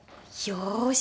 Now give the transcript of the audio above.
よし！